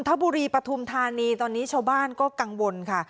ทบุรีปฐุมธานีตอนนี้ชาวบ้านก็กังวลค่ะ